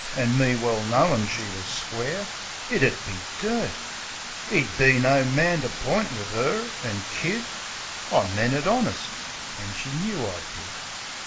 An' me well knowin' she was square. It 'ud be dirt! 'Ed be no man to point wiv 'er, an' kid. I meant it honest; an' she knoo I did.